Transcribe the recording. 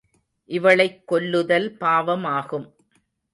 இவளைக் கொல்லுதல் பாவமாகும்.